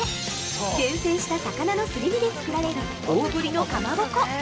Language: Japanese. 厳選した魚のすり身で作られる大ぶりのかまぼこ。